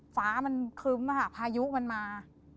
ฟ้ามันคึ้มค่ะพายุมันมา